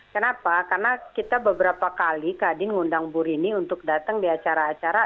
kenapa karena kita beberapa kali kadin ngundang bu rini untuk datang di acara acara